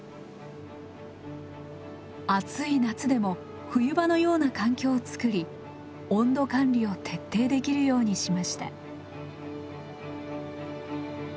暑い夏でも冬場のような環境を作り温度管理を徹底できるようにしました。